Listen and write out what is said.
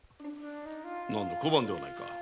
何だ小判ではないか？